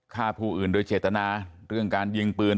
ฆ่าผู้อื่นโดยเจตนาเรื่องการยิงปืน